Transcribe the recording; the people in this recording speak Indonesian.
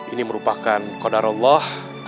ini merupakan qadar allah